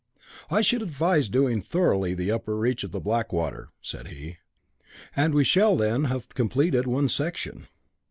"I should advise doing thoroughly the upper reach of the Blackwater," said he, "and we shall then have completed one section."